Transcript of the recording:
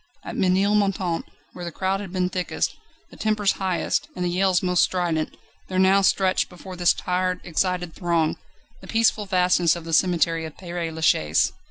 At Ménilmontant, where the crowd had been thickest, the tempers highest, and the yells most strident, there now stretched before this tired, excited throng, the peaceful vastness of the cemetery of Père Lachaise.